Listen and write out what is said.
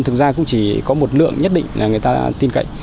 thực ra cũng chỉ có một lượng nhất định là người ta tin cậy